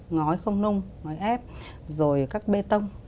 ngói không nung ngói ép rồi các bê tông